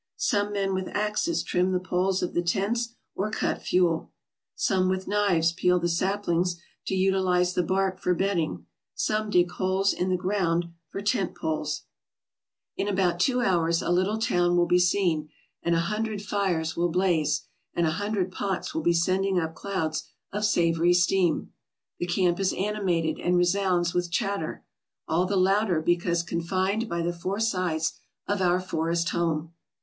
Some men with axes trim the poles of the tents or cut fuel. Some with knives peel the saplings to utilize the bark for bedding. Some dig holes in the ground for the tent poles. SIR HENRY M. STANLEY AFRICA 339 In about two hours a little town will be seen, and a hun dred fires will blaze, and a hundred pots will be sending up clouds of savory steam. The camp is animated and re sounds with chatter, all the louder because confined by the four sides of our forest home.